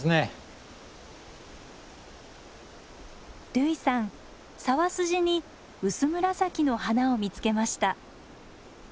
類さん沢筋に薄紫の花を見つけました。